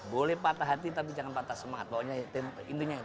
boleh patah hati tapi jangan patah semangat pokoknya intinya itu